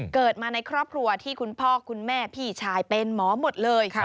เกิดมาในครอบครัวที่คุณพ่อคุณแม่พี่ชายเป็นหมอหมดเลย